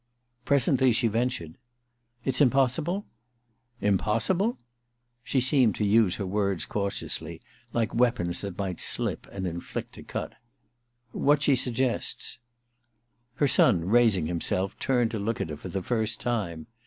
Presently she ventured, * It's impossible ?Impossible ?' She seemed to use her words cautiously, like 288 THE QUICKSAND i weapons that might slip and inflict a cut. * What she suggests.' Her son, raising himself, turned to look at her for the first time.